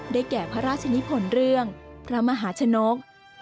แก่พระราชนิพลเรื่องพระมหาชนก